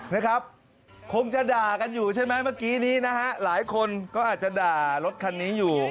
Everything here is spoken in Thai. นะครับคงจะด่ากันอยู่ใช่ไหมเมื่อกี้นี้นะฮะหลายคนก็อาจจะด่ารถคันนี้อยู่